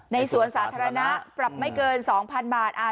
สวนสาธารณะปรับไม่เกิน๒๐๐๐บาท